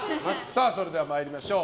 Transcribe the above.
それでは参りましょう。